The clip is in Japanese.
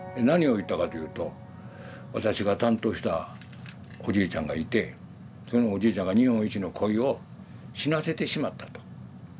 何を言ったかというと私が担当したおじいちゃんがいてそのおじいちゃんが日本一のコイを死なせてしまったと。